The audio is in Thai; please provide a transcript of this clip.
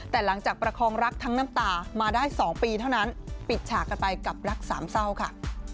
แต่หลังจากประคองรักทั้งน้ำตามาได้๒ปีเท่านั้นปิดฉากกันไปกับรักสามเศร้าค่ะ